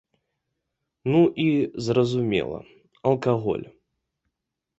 Ну і, зразумела, алкаголь.